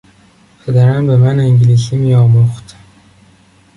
پدرم به من انگلیسی میآموخت.